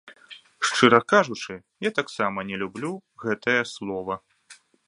Шчыра кажучы, я таксама не люблю гэтае слова.